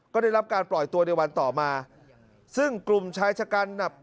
ก็ได้รับการปล่อยตัวในวันต่อมาซึ่งกลุ่มชายชะกันน่ะ